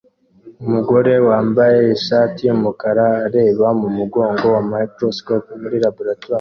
Umugore wambaye ishati yumukara areba mumurongo wa microscope muri laboratoire